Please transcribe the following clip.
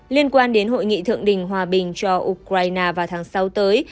liên quan đến hội nghị thượng đỉnh hòa bình cho ukraine vào tháng sáu tới